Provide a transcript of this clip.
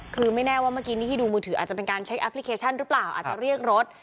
คือไม่แน่ว่าเมื่อกี้นี่ที่ดูมือถืออาจจะเป็นการเช็คแอปพลิเคชันหรือเปล่าอาจจะเรียกรถ